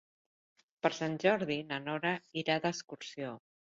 Per Sant Jordi na Nora irà d'excursió.